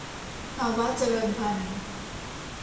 ภาวะเจริญพันธุ์